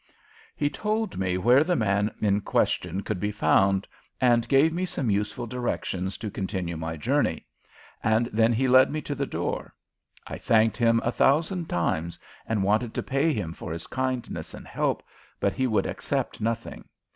He told me where the man in question could be found and gave me some useful directions to continue my journey, and then he led me to the door. I thanked him a thousand times and wanted to pay him for his kindness and help, but he would accept nothing.